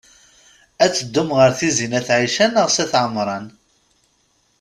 Ad teddum ɣer Tizi n at Ɛica neɣ s at Ɛemṛan?